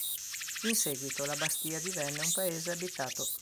In seguito la bastia divenne un paese abitato.